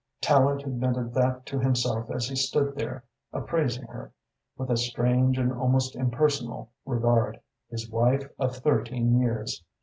Tallente admitted that to himself as he stood there appraising her, with a strange and almost impersonal regard, his wife of thirteen years.